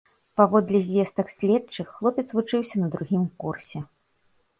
Паводле звестак следчых, хлопец вучыўся на другім курсе.